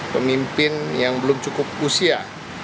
pemimpin yang belum cukup usia